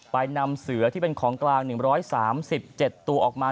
นำเสือที่เป็นของกลาง๑๓๗ตัวออกมา